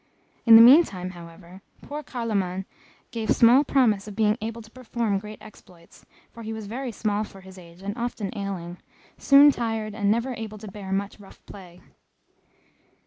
In the meantime, however, poor Carloman gave small promise of being able to perform great exploits, for he was very small for his age and often ailing; soon tired, and never able to bear much rough play.